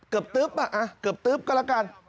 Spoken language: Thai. เกือบตึ๊บก็แล้วกัน